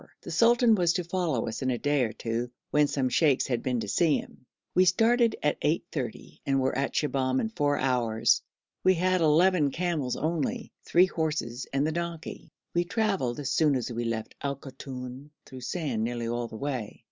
The sultan was to follow us in a day or two, when some sheikhs had been to see him. We started at 8.30 and were at Shibahm in four hours. We had eleven camels only, three horses, and the donkey. We travelled, as soon as we left Al Koton, through sand nearly all the way.